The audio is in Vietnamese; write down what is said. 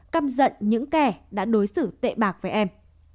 căm giận những kẻ đã đối xử tệ bạc với em